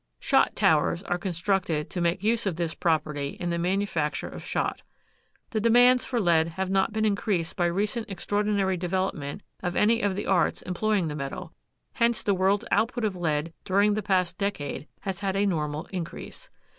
"Shot towers" are constructed to make use of this property in the manufacture of shot. The demands for lead have not been increased by recent extraordinary development of any of the arts employing the metal, hence the world's output of lead during the past decade has had a normal increase.